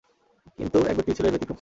কিন্তু এক ব্যক্তি ছিল এর ব্যতিক্রম।